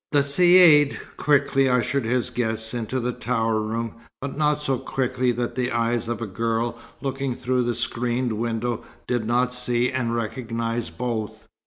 The Caïd quickly ushered his guests into the tower room, but not so quickly that the eyes of a girl, looking through a screened window, did not see and recognize both.